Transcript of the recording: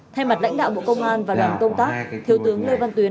thay mặt lãnh đạo bộ công an và đoàn công tác thiếu tướng lê văn tuyến